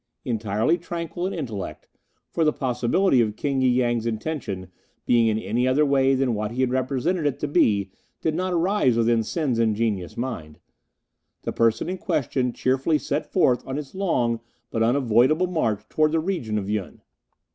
"Entirely tranquil in intellect for the possibility of King y Yang's intention being in any way other than what he had represented it to be did not arise within Sen's ingenuous mind the person in question cheerfully set forth on his long but unavoidable march towards the region of Yun.